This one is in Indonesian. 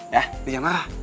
yah lu jangan marah